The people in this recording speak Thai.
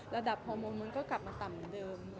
ฮอร์โมมันก็กลับมาต่ำเหมือนเดิม